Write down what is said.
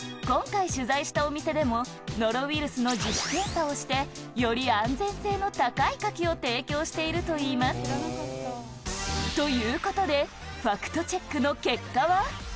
今回、取材したお店でも、ノロウイルスの自主検査をして、より安全性の高いカキを提供しているといいます。ということで、ファクトチェックの結果は？